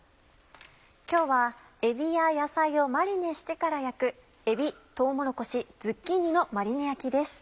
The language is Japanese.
今日はえびや野菜をマリネしてから焼く「えびとうもろこしズッキーニのマリネ焼き」です。